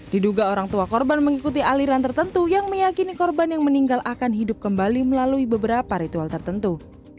diduga orang tua korban mengikuti aliran tertentu yang meyakini korban yang meninggal akan hidup kembali melalui beberapa ritual tertentu